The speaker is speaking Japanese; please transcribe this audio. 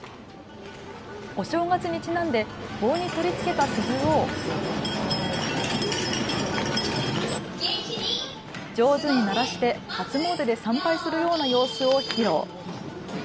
お正月にちなんで棒に取り付けた鈴を上手に鳴らして初詣で参拝するような様子を披露。